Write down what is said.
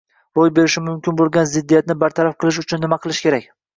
roʻy berishi mumkin boʻlgan ziddiyatni bartaraf qilish uchun nima qilishim kerak?